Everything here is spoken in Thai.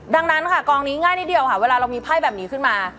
ดังนั้นค่ะกองนี้ง่ายนิดเดียวค่ะเวลาเรามีไพ่แบบนี้ขึ้นมา